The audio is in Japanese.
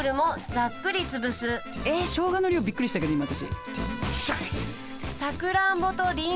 えショウガの量びっくりしたけど今私。